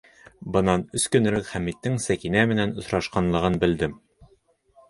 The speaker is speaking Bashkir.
Бынан өс көн элек Хәмиттең Сәкинә менән осрашҡанлығын белдем.